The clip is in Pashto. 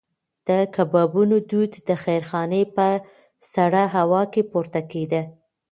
د کبابونو دود د خیرخانې په سړه هوا کې پورته کېده.